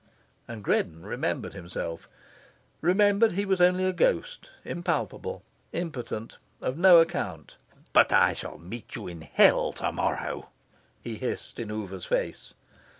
And Greddon remembered himself remembered he was only a ghost, impalpable, impotent, of no account. "But I shall meet you in Hell to morrow," he hissed in Oover's face.